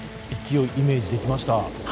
勢いイメージできました。